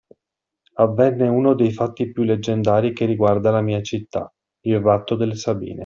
Avvenne uno dei fatti più leggendari che riguarda la mia città: il ratto delle Sabine.